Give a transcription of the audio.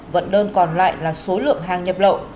vận đơn còn lại là số lượng hàng nhập lậu